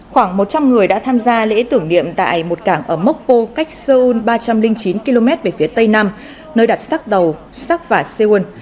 khoảng một trăm linh người đã tham gia lễ tưởng niệm tại một cảng ở mốc po cách seoul ba trăm linh chín km về phía tây nam nơi đặt sắc đầu sắc và xê uân